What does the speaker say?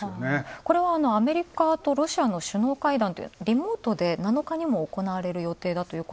これはアメリカとロシアの首脳会談、リモートで７日にも行われる予定。